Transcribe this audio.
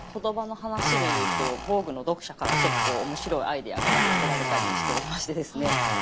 言葉の話でいうと「ＶＯＧＵＥ」の読者から結構面白いアイデアが寄せられたりしておりましてですね